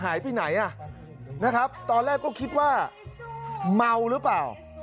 หายไปไหนมาตอนแรกก็คิดว่าเมอร์หรือเปล่า